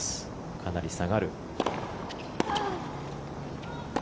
かなり下がる。